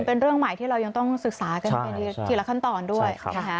เป็นเรื่องใหม่ที่เรายังต้องศึกษากันไปทีละขั้นตอนด้วยนะคะ